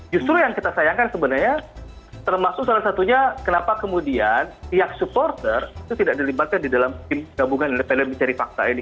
justru yang kita sayangkan sebenarnya termasuk salah satunya kenapa kemudian pihak supporter itu tidak dilibatkan di dalam tim gabungan independen mencari fakta ini